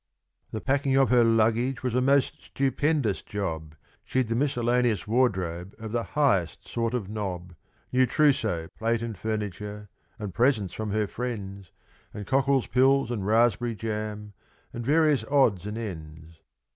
The packing of her luggage was a most stupendous job, She'd the miscellaneous wardrobe of the highest sort of nob, New trousseau, plate, and furniture, and presents from her friends, And Cockle's pills and raspberry jam, and various odds and ends.